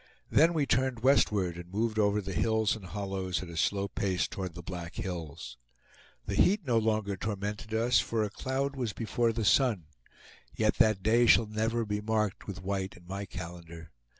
Then we turned westward, and moved over the hills and hollows at a slow pace toward the Black Hills. The heat no longer tormented us, for a cloud was before the sun. Yet that day shall never be marked with white in my calendar.